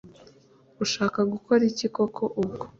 ushaka gukora iki koko ubwo